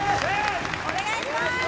お願いします！